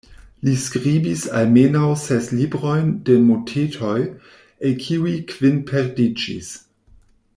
Li skribis almenaŭ ses librojn de motetoj, el kiuj kvin perdiĝis.